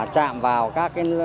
chạm vào các